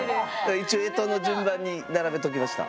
一応干支の順番に並べときました。